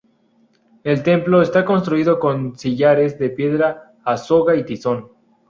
El templo, está construido con sillares de piedra a soga y tizón.